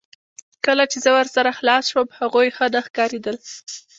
کله چې زه ورسره خلاص شوم هغوی ښه نه ښکاریدل